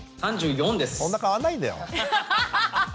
そんな変わんないんだよ。